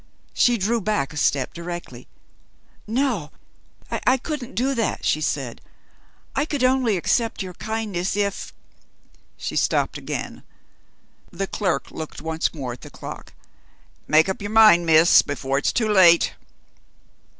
She drew back a step directly. "No, I couldn't do that," she said. "I could only accept your kindness, if " She stopped again. The clerk looked once more at the clock. "Make up your mind, Miss, before it's too late."